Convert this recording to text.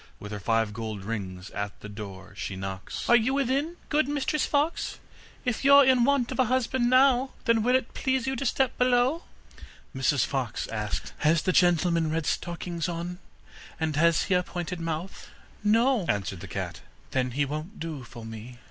With her five gold rings at the door she knocks: 'Are you within, good Mistress Fox? If you're in want of a husband now, Then will it please you to step below? Mrs Fox asked: 'Has the gentleman red stockings on, and has he a pointed mouth?' 'No,' answered the cat. 'Then he won't do for me.